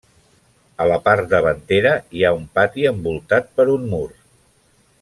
A la part davantera hi ha un pati envoltat per un mur.